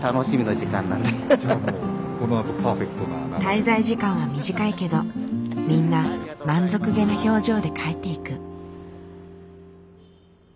滞在時間は短いけどみんな満足げな表情で帰っていく。